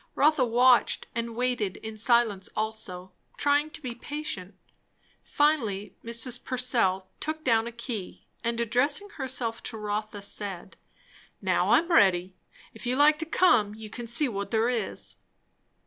Rotha watched and waited in silence also, trying to be patient. Finally Mrs. Purcell took down a key, and addressing herself to Rotha, said, "Now I'm ready. If you like to come, you can see what there is."